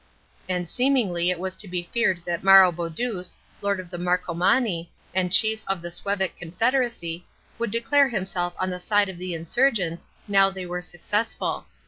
And seemingly it was to be feared that Maroboduus, lord of the Marcomanni, and chief of the Suevic confederacy, would declare himself on the side of the insurgents, now they were successful.